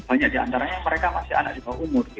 banyak diantaranya mereka masih anak juga umur gitu